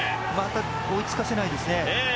追いつかせないですね。